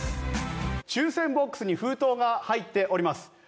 抽選ボックスに封筒が入っております。